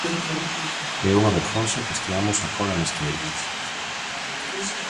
É unha vergonza que esteamos á cola neste eido.